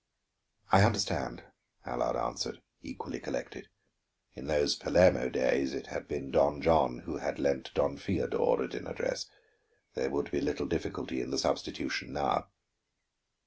"I understand," Allard answered, equally collected. In those Palermo days, it had been Don John who had lent Don Feodor a dinner dress; there would be little difficulty in the substitution now.